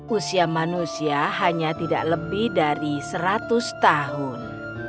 usia manusia hanya tidak lebih dari seratus tahun